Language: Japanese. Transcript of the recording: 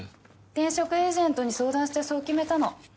転職エージェントに相談してそう決めたの。